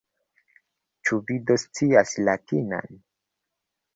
Ĉu vi do scias latinan?